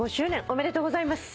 おめでとうございます。